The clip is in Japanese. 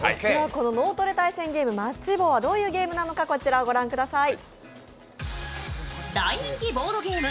この「脳トレ対戦ゲームマッチ棒」はどういうゲームなのか、こちらをご覧ください。